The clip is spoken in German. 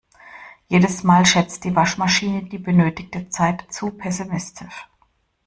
Jedes Mal schätzt die Waschmaschine die benötigte Zeit zu pessimistisch.